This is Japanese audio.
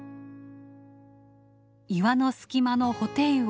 岩の隙間のホテイウオ。